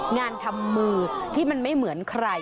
งานทำมือที่มันไม่เหมือนใคร